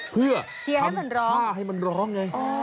เพื่อทำท่าให้มันร้องไง